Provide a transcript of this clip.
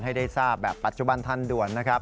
ให้ได้ทราบแบบปัจจุบันทันด่วนนะครับ